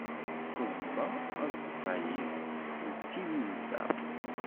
Teẓḍa aẓeṭṭa-is, d timezda.